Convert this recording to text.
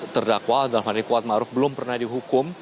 terdakwa dalam hal yang kuat ma'ruf belum pernah dihukum